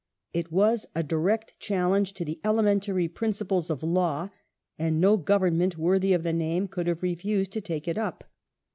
It was a direct challenge to the elementary principles of law, and no Government worthy of the name could have refused to take it up.